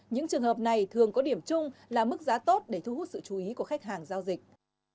những trường hợp này thường có điểm chung là mức giá tốt để thu hút sự chú ý của khách hàng giao dịch